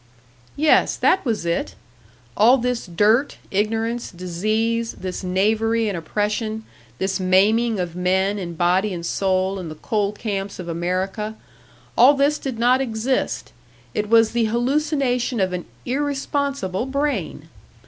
Yes, that was it! All this dirt, ignorance, disease, this knavery and oppression, this maiming of men in body and soul in the coal camps of America all this did not exist it was the hallucination of an "irresponsible" brain!